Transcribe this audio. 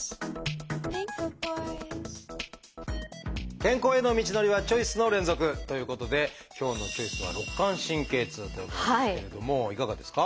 健康への道のりはチョイスの連続！ということで今日の「チョイス」は「肋間神経痛」ということですけれどもいかがですか？